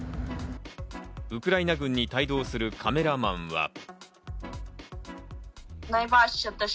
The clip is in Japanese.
ウクライナ軍に帯同するカメラマンは。